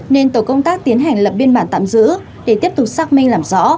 nên tổ công tác tiến hành lập biên bản tạm giữ để tiếp tục xác minh làm rõ